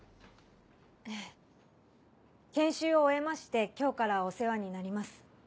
研修を終えまして今日からお世話になります。